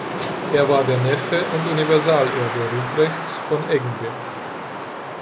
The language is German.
Er war der Neffe und Universalerbe Ruprechts von Eggenberg.